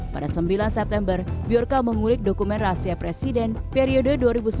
pada sembilan september biorka mengulik dokumen rahasia presiden periode dua ribu sembilan belas dua ribu dua